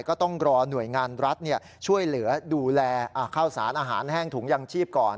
ก็ต้องรอหน่วยงานรัฐช่วยเหลือดูแลข้าวสารอาหารแห้งถุงยังชีพก่อน